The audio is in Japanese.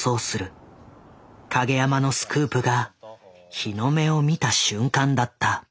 影山のスクープが日の目を見た瞬間だった。